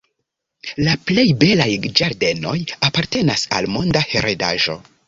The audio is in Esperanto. La plej belaj ĝardenoj apartenas al Monda Heredaĵo.